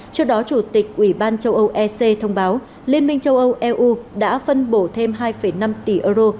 trước đó chủ tịch ủy ban châu âu ec thông báo liên minh châu âu eu đã phân bổ thêm hai năm tỷ euro